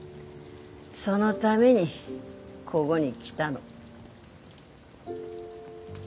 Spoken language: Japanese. そのためにこごに来たの。